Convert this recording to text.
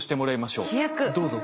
どうぞ。